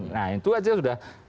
nah itu aja sudah